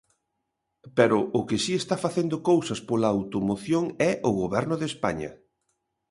Pero o que si está facendo cousas pola automoción é o Goberno de España.